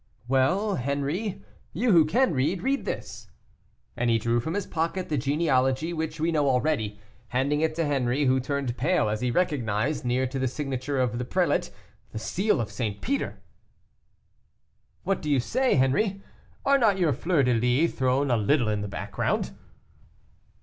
"Well, Henri, you who can read, read this;" and he drew from his pocket the genealogy which we know already, handing it to Henri, who turned pale as he recognized, near to the signature of the prelate, the seal of St. Peter. "What do you say, Henri? Are not your fleur de lys thrown a little in the background?"